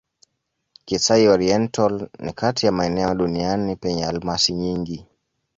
Kasai-Oriental ni kati ya maeneo duniani penye almasi nyingi.